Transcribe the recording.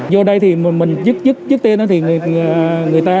vô đây thì mình giấc tên đó thì người ta